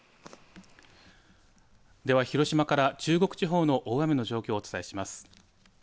では広島から中国地方の大雨の状況をお伝えします。